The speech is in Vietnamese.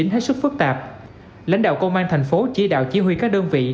hết sức phức tạp lãnh đạo công an tp hcm chỉ đạo chí huy các đơn vị